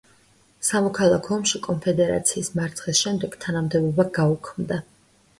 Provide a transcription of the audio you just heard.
სამოქალაქო ომში კონფედერაციის მარცხის შემდეგ თანამდებობა გაუქმდა.